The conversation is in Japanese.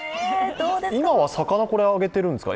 今は魚をあげてるんですか？